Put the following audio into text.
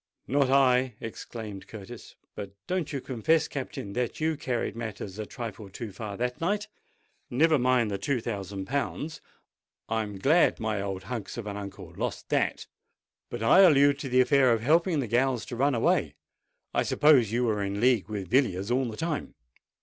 "Not I!" exclaimed Curtis. "But don't you confess, Captain, that you carried matters a trifle too far that night? Never mind the two thousand pounds: I'm glad my old hunks of an uncle has lost that! But I allude to the affair of helping the gals to run away. I suppose you were in league with Villiers all the time?"